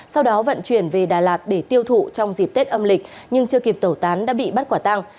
sau đó vận chuyển về đà lạt để tiêu thụ trong dịp tết âm lịch nhưng chưa kịp tẩu tán đã bị bắt quả tăng